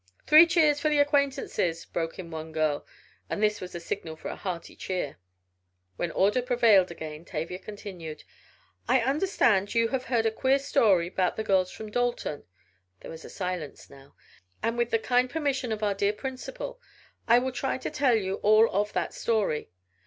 "Three cheers for the acquaintances," broke in one girl, and this was the signal for a hearty cheer. When order prevailed again, Tavia continued: "I understand you have heard a queer story about the girls from Dalton" (there was silence now), "and with the kind permission of our dear principal, I will try to tell you all of that story.